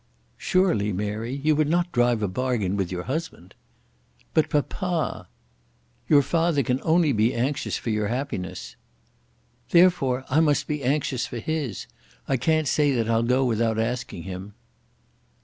"Surely, Mary, you would not drive a bargain with your husband." "But papa!" "Your father can only be anxious for your happiness." "Therefore I must be anxious for his. I can't say that I'll go without asking him."